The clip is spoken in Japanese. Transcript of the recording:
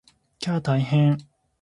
きゃー大変！